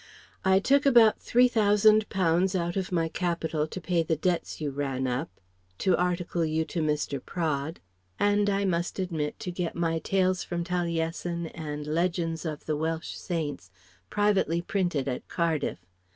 I took about three thousand pounds out of my capital to pay the debts you ran up, to article you to Mr. Praed; and, I must admit, to get my "Tales from Taliessin" and "Legends of the Welsh Saints" privately printed at Cardiff.